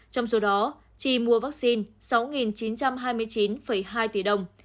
trong số đó chi mua vaccine sáu chín trăm hai mươi chín hai tỷ đồng